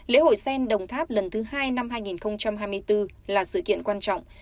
lễ hội sen đồng tháp lần thứ hai năm hai nghìn hai mươi bốn là sự kiện quan trọng